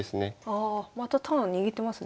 ああまたターン握ってますね。